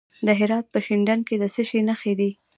د هرات په شینډنډ کې د څه شي نښې دي؟